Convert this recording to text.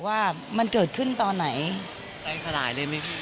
ว่ามันเกิดขึ้นตอนไหนใจสลายเลยไหมพี่